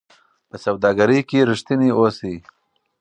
په سوداګرۍ کې رښتیني اوسئ.